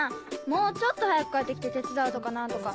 もうちょっと早く帰って来て手伝うとか何とか。